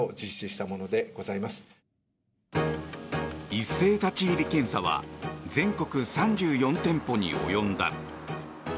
一斉立ち入り検査は全国３４店舗に及んだ。